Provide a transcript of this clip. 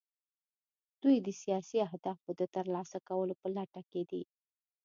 دوی د سیاسي اهدافو د ترلاسه کولو په لټه کې دي